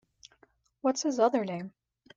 What’s his other name?